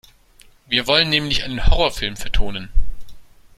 Wir wollen nämlich einen Horrorfilm vertonen.